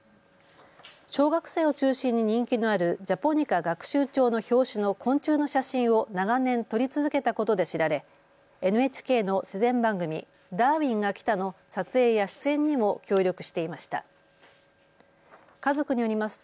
小学生を中心に人気のあるジャポニカ学習帳の表紙の昆虫の写真を長年撮り続けたことで知られ、ＮＨＫの自然番組、ダーウィンが来た！の撮影や出演にも協力していました。